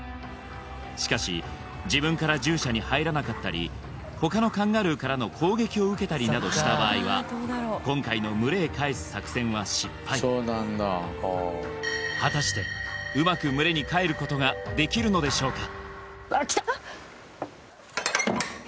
しかし自分から獣舎に入らなかったり他のカンガルーからの攻撃を受けたりなどした場合は今回の群れへ帰す作戦は失敗果たしてうまく群れに帰ることができるのでしょうか